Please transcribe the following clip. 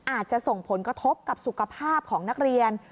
อาจจะส่งผลกระทบกับสุขภาพของนักเรียน